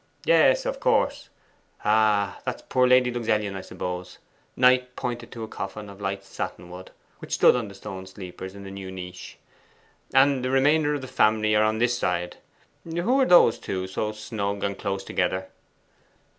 'Yes; of course. Ah, that's poor Lady Luxellian, I suppose.' Knight pointed to a coffin of light satin wood, which stood on the stone sleepers in the new niche. 'And the remainder of the family are on this side. Who are those two, so snug and close together?